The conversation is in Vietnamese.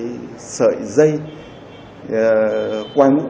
vẫn còn để lại một sợi dây quai mũ bảo hiểm